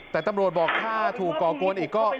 แต่ตำรวจบอกถ้าถูกก่อกวนอีกก็